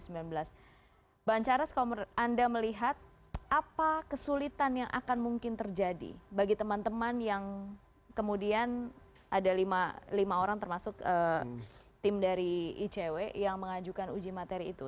mbak ancaras kalau anda melihat apa kesulitan yang akan mungkin terjadi bagi teman teman yang kemudian ada lima orang termasuk tim dari icw yang mengajukan uji materi itu